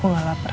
aku gak lapar